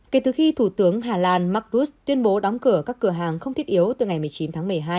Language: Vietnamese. kể từ khi thủ tướng hà lan mark rus tuyên bố đóng cửa các cửa hàng không thiết yếu từ ngày một mươi chín tháng một mươi hai